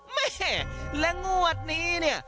แม่และงวดนี้เนี่ย